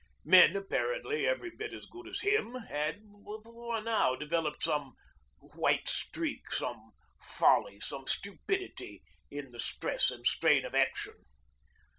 Men, apparently every bit as good as him, had before now developed some 'white streak,' some folly, some stupidity, in the stress and strain of action.